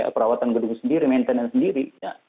perawatan gedung sendiri maintenance sendiri